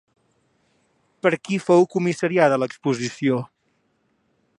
Per qui fou comissariada l'exposició?